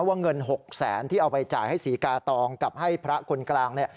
ว่าเงิน๖๐๐๐๐๐บาทที่เอาไปจ่ายให้ศรีกาตองกับให้พระคนกลาง